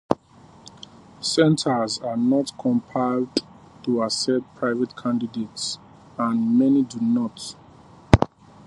Centres are not compelled to accept private candidates, and many do not.